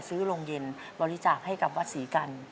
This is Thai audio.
โรงเย็นบริจาคให้กับวัดศรีกัน